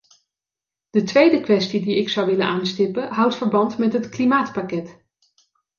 De tweede kwestie die ik zou willen aanstippen, houdt verband met het klimaatpakket.